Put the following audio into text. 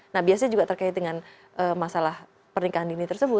nah biasanya juga terkait dengan masalah pernikahan dini tersebut